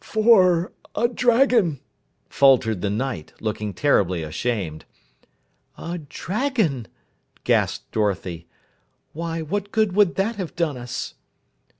"For a dragon!" faltered the Knight, looking terribly ashamed. "A dragon!" gasped Dorothy. "Why, what good would that have done us?"